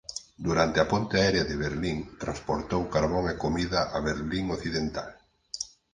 Durante a ponte aérea de Berlín transportou carbón e comida a Berlín Occidental.